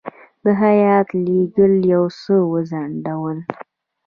د هیات لېږل یو څه وځنډول.